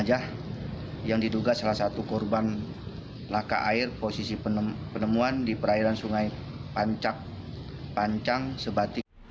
jangan lupa like share dan subscribe ya